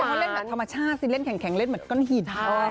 เขาเล่นแบบธรรมชาติสิเล่นแข็งเล่นเหมือนก้อนหิน